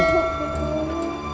tante dewi lagi sakit